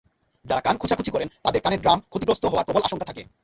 যাঁরা কান খোঁচাখুঁচি করেন, তাঁদের কানের ড্রাম ক্ষতিগ্রস্ত হওয়ার প্রবল আশঙ্কা থাকে।